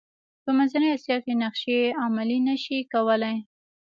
په منځنۍ اسیا کې نقشې عملي نه شي کولای.